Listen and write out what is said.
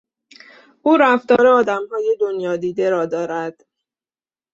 او رفتار آدمهای دنیادیده را دارد.